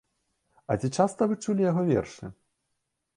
А ці часта вы чулі яго вершы?